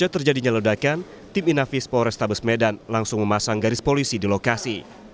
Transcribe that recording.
terjadinya ledakan tim inafis polrestabes medan langsung memasang garis polisi di lokasi